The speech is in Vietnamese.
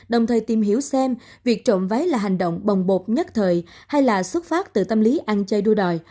đồng thời tìm hiểu xem việc trộm váy là hành động bồng bột nhất thời hay là xuất phát từ tâm lý ăn chơi đua đòi